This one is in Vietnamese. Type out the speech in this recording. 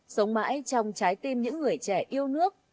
sống mãi trong trái tim những người trẻ yêu nước